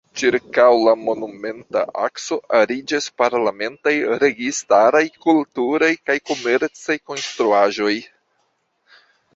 Ĉirkaŭ la Monumenta akso ariĝas parlamentaj, registaraj, kulturaj kaj komercaj konstruaĵoj.